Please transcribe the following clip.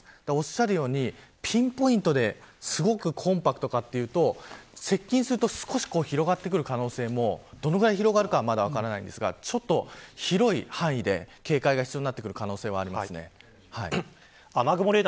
おっしゃるようにピンポイントですごくコンパクトかというと接近すると少し広がってくる可能性もどのくらい広がるかはまだ分かりませんが広い範囲で警戒が必要になってくる可能性はあります。